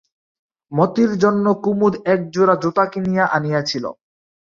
মতির জন্য কুমুদ একজোড়া জুতা কিনিয়া আনিয়াছিল।